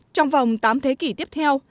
trong vòng tám thế kỷ tiếp theo